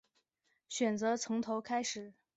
选择从头开始